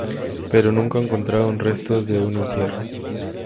Pero nunca encontraron restos de un entierro.